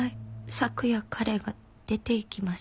「昨夜彼が出て行きました」